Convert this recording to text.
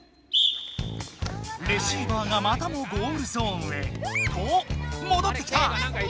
レシーバーがまたもゴールゾーンへ！ともどってきた！